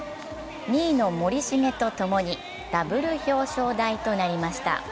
２位の森重と共にダブル表彰台となりました。